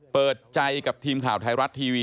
เปิดใจกับทีมข่าวไทยรัฐทีวี